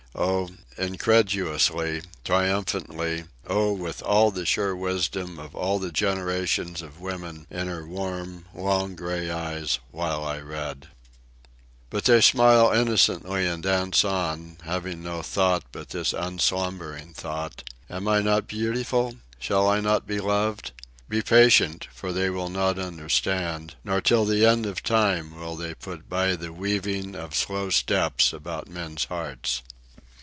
—oh, incredulously, triumphantly, oh, with all the sure wisdom of all the generations of women in her warm, long gray eyes, when I read: "But they smile innocently and dance on, Having no thought but this unslumbering thought: 'Am I not beautiful? Shall I not be loved?' Be patient, for they will not understand, Not till the end of time will they put by The weaving of slow steps about men's hearts."